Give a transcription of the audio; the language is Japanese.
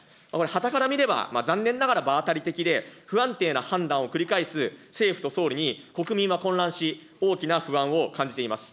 はたから見れば、残念ながら場当たり的で、不安定な判断を繰り返す、政府と総理に国民は混乱し、大きな不安を感じています。